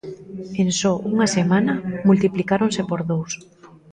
En só unha semana multiplicáronse por dous.